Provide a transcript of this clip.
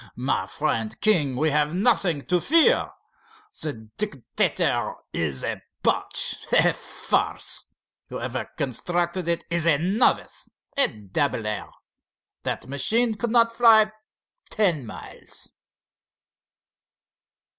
My friend King, we have nothing to fear. The Dictator is a botch, a farce. Whoever constructed it is a novice, a dabbler! That machine could not fly ten miles!"